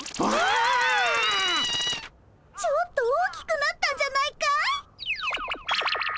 ちょっと大きくなったんじゃないかい？